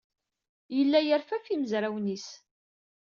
Yella yerfa ɣef yimezrawen-is.